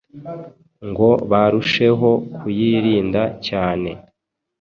ngo barusheho kuyirinda cyane